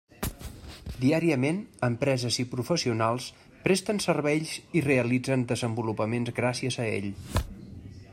Diàriament, empreses i professionals presten serveis i realitzen desenvolupaments gràcies a ell.